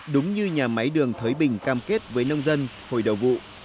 đúng như nhà máy đường thới bình cam kết với nông dân hồi đầu vụ